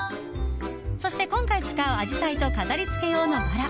そして、今回使うアジサイと飾り付け用のバラ。